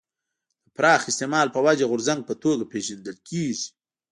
د پراخ استعمال په وجه غورځنګ په توګه پېژندل کېږي.